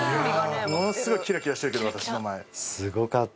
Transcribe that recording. ものすごいキラキラしてる私の前。